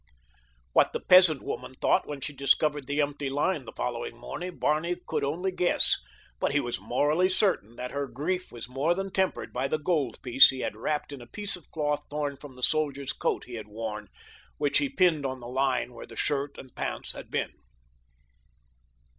What the peasant woman thought when she discovered the empty line the following morning Barney could only guess, but he was morally certain that her grief was more than tempered by the gold piece he had wrapped in a bit of cloth torn from the soldier's coat he had worn, which he pinned on the line where the shirt and pants had been.